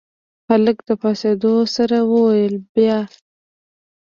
هلک له پاڅېدو سره وويل بيا.